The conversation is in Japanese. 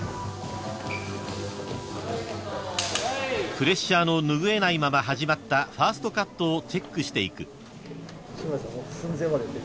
［プレッシャーの拭えないまま始まったファーストカットをチェックしていく］